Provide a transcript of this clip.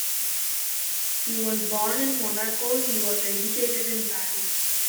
He was born in Monaco, he was educated in Paris.